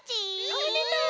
おめでとう！